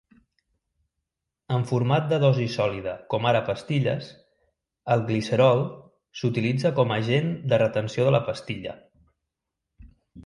En format de dosi sòlida com ara pastilles, el glicerol s'utilitza com a agent de retenció de la pastilla.